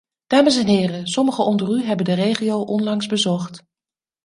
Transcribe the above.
Dames en heren, sommigen onder u hebben de regio onlangs bezocht.